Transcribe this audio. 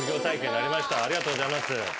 ありがとうございます。